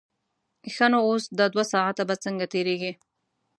ښه نو اوس دا دوه ساعته به څنګه تېرېږي.